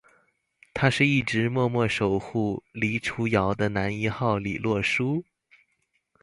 他是一直默默守护黎初遥的男一号李洛书！